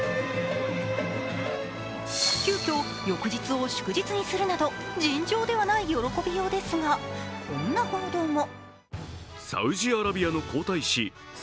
急きょ、翌日を祝日にするなど尋常ではない喜びようですが、こんな報道も。